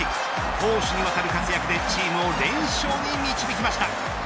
攻守にわたる活躍でチームを連勝に導きました。